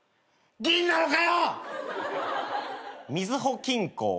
銀なのかよ！